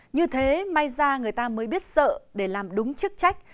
như thế may ra người ta mới biết sợ để làm đúng chức trách